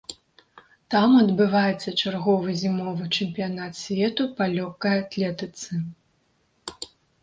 Там адбываецца чарговы зімовы чэмпіянат свету па лёгкай атлетыцы.